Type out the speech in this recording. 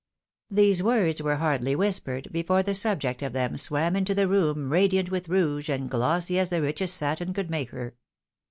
These words were hardly wliispered, before the subject of them swam into the room radiant with rouge, and glossy as the richest satin could make her.